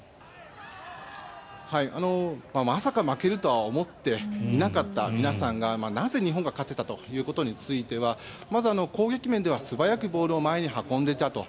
まさか負けるとは思っていなかった皆さんがなぜ、日本が勝てたかということについてはまず攻撃面では素早くボールを前に運んでいたと。